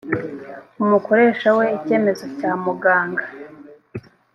umukoresha we icyemezo cya muganga